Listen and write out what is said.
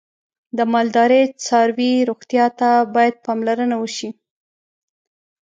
د مالدارۍ څاروی روغتیا ته باید پاملرنه وشي.